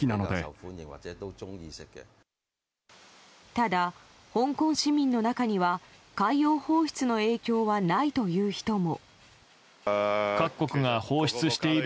ただ、香港市民の中には海洋放出の影響はないという人も。